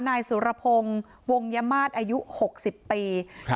นายสุรพงศ์วงยมาตรอายุหกสิบปีครับ